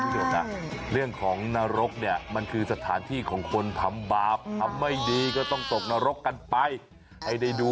มีแต่เสียงเฮฮาอยู่ในปาร์ตี้ร้อนยังกระฟ้ายเยอะเธอก็สวยเสกซี่ร้อนยังกระฟ้ายเยอะ